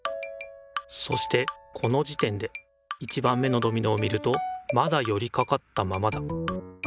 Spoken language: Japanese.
そしてこの時点で１番目のドミノを見るとまだよりかかったままだ。